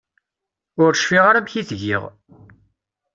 Ur cfiɣ ara amek i t-giɣ.